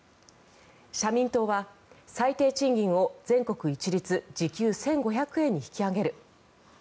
社民党は最低賃金を全国一律時給１５００円に引き上げる。